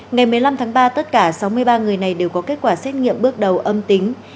ngày một mươi năm tháng ba tất cả sáu mươi ba người này đều có kết quả xét nghiệm bước đầu âm tính